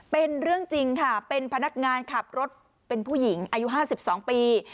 เป็นเรื่องจริงค่ะเป็นพนักงานขับรถเป็นผู้หญิงอายุ๕๒ปี